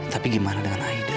tapi gimana dengan aida